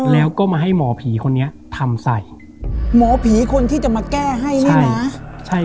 แล้วก็มาให้หมอผีคนนี้ทำใส่หมอผีคนที่จะมาแก้ให้นี่นะใช่